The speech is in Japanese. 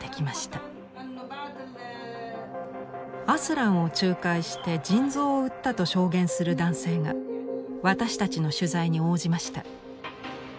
アスランを仲介して腎臓を売ったと証言する男性が私たちの取材に応じました。